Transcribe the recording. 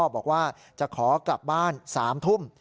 บอกว่าจะขอกลับบ้าน๓ทุ่ม